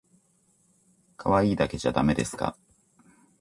かわいいだけじゃだめですか？